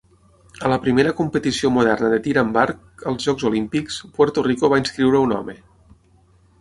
A la primera competició moderna de tir amb arc als Jocs Olímpics, Puerto Rico va inscriure a un home.